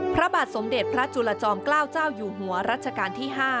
พระบาทสมเด็จพระจุลจอมเกล้าเจ้าอยู่หัวรัชกาลที่๕